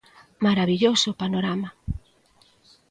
¡Marabilloso panorama!